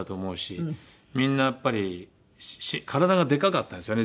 みんなやっぱり体がでかかったんですよね。